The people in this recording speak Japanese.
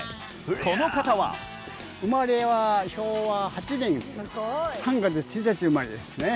この方は生まれは昭和８年３月１日生まれですね